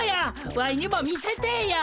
ワイにも見せてえや。